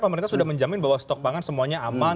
pemerintah sudah menjamin bahwa stok pangan semuanya aman